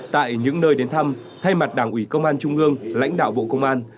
tại những nơi đến thăm thay mặt đảng ủy công an trung ương lãnh đạo bộ công an